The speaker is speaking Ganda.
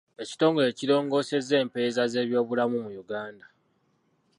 Ekitongole kirongoosezza empeereza z'ebyobulamu mu Uganda.